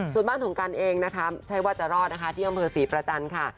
ส่วนบ้านของกันเองนะคะใช่ว่าจะรอดนะคะที่อำเภอศรีประจันทร์ค่ะ